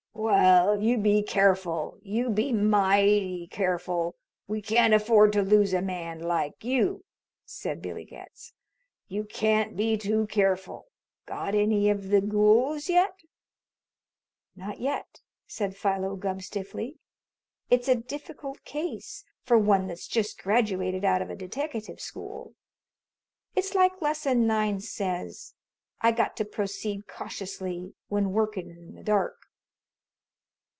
"Well, you be careful. You be mighty careful! We can't afford to lose a man like you," said Billy Getz. "You can't be too careful. Got any of the ghouls yet?" "Not yet," said Philo Gubb stiffly. "It's a difficult case for one that's just graduated out of a deteckative school. It's like Lesson Nine says I got to proceed cautiously when workin' in the dark."